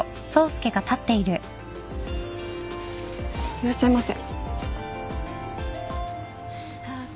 いらっしゃいませ。